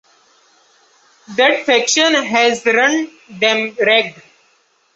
That faction has run them ragged.